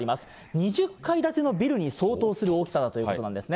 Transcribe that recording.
２０階建てのビルに相当する大きさだということなんですね。